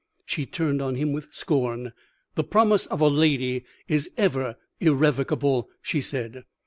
"She turned on him with scorn. 'The promise of a lady is ever irrevocable,' she said.